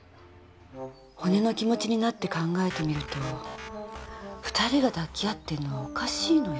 骨の気持ちになって考えてみると２人が抱き合ってるのはおかしいのよ。